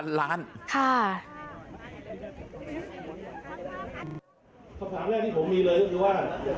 คำถามแรกที่ผมมีเลยก็คือว่า